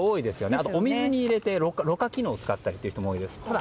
あと、お水に入れてろ過機能を使ったりという人も多いです。